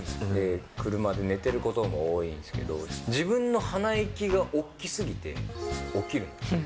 車で寝てることも多いんですけど、自分の鼻息が大きすぎて、起きるんですよ。